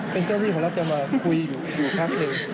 เป็นเจ้าหน้าที่รัฐควรจะมาคุยอยู่พักหนึ่ง